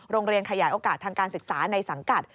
ขยายโอกาสทางการศึกษาในสังกัด